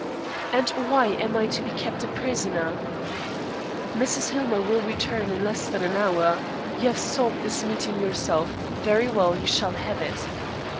"And why am I to be kept a prisoner?" "Mrs. Hillmer will return in less than an hour. You have sought this meeting yourself. Very well. You shall have it.